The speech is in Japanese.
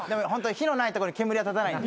火のない所に煙は立たないんで。